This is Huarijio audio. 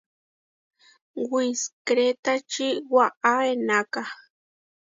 Wiskrétači waʼá eʼenáka.